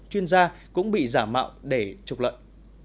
chuyên gia cũng bị giả mạo để trục lợi